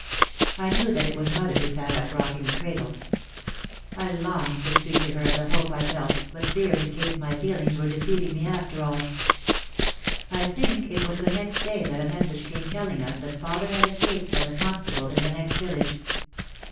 I knew that it was mother who sat up rocking the cradle. I longed to speak to her of the hope I felt but feared in case my feelings were deceiving me after all. I think it was the next day that a message came telling us that father had escaped from the constable in the next village.